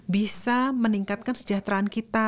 bisa meningkatkan sejahteraan kita